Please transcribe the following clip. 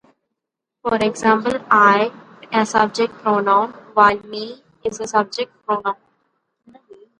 For example, "I" is a subject pronoun, while "me" is an object pronoun.